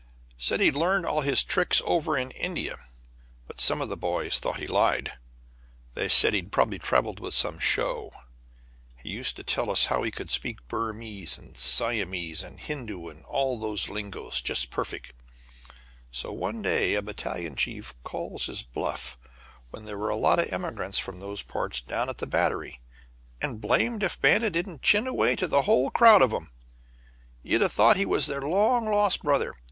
Said he'd learned all his tricks over in India, but some of the boys thought he lied. They said he'd prob'ly traveled with some show. He used to tell us how he could speak Burmese and Siamese and Hindu, all those lingoes, just perfect; so one day a battalion chief called his bluff when there were a lot of emigrants from those parts down at the Battery, and blamed if Banta didn't chin away to the whole crowd of 'em; you'd thought he was their long lost brother.